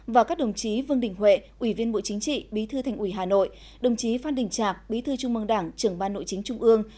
và các đồng chí vương đình huệ ủy viên bộ chính trị bí thư thành ủy hà nội đồng chí phan đình trạc bí thư trung mương đảng trưởng ban nội chính trung ương